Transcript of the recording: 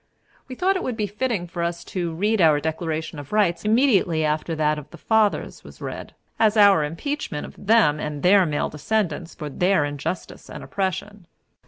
We thought it would be fitting for us to read our Declaration of Rights immediately after that of the Fathers was read, as an impeachment of them and their male descendants for their injustice and oppression.